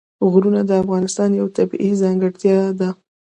غرونه د افغانستان یوه طبیعي ځانګړتیا ده.